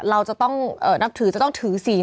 เราจะต้องนับถือจะต้องถือศีล